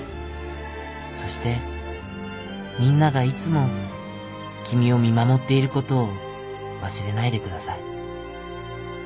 そしてみんながいつも君を見守っていることを忘れないでください。